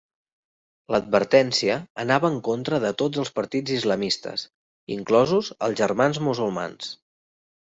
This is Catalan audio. L'advertència anava en contra de tots els partits islamistes inclosos els Germans Musulmans.